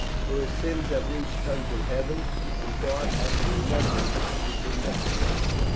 For his sins have reached unto Heaven, and God hath remembrance of his iniquities.